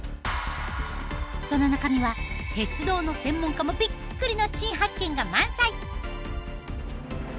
その中には鉄道の専門家もびっくりの新発見が満載！